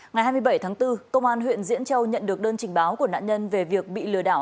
ngày hai mươi bảy tháng bốn công an huyện diễn châu nhận được đơn trình báo của nạn nhân về việc bị lừa đảo